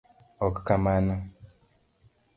ok kamano